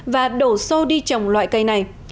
và đổ xô đi trồng loại cây này